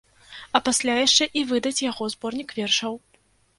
А пасля яшчэ і выдаць яго зборнік вершаў.